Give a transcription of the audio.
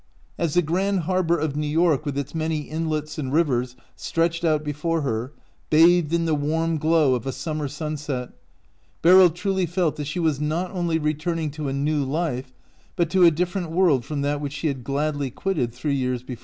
As the grand harbor of New York with its many inlets and rivers stretched out before her, bathed in the warm glow of a summer sunset, Beryl truly felt that she was not only returning to a new life, but to a different world from that which she had gladly quitted three years before.